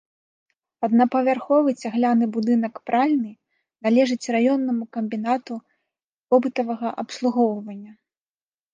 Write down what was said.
Аднапавярховы цагляны будынак пральні належыць раённаму камбінату побытавага абслугоўвання.